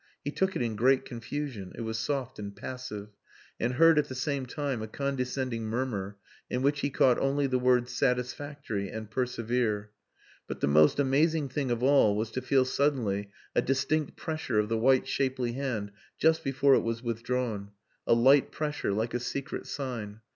He took it in great confusion (it was soft and passive) and heard at the same time a condescending murmur in which he caught only the words "Satisfactory" and "Persevere." But the most amazing thing of all was to feel suddenly a distinct pressure of the white shapely hand just before it was withdrawn: a light pressure like a secret sign.